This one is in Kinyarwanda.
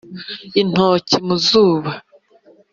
intoki mu zuba.